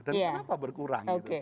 dan kenapa berkurang